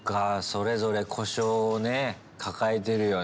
それぞれ故障をね抱えてるよね。